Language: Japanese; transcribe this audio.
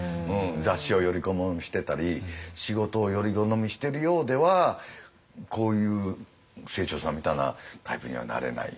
雑誌をより好みしてたり仕事をより好みしてるようではこういう清張さんみたいなタイプにはなれない。